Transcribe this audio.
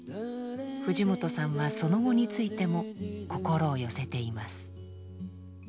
藤本さんはその後についても心を寄せています。